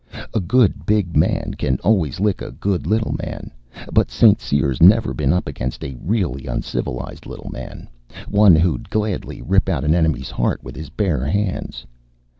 A good big man can always lick a good little man. But St. Cyr's never been up against a really uncivilized little man one who'd gladly rip out an enemy's heart with his bare hands."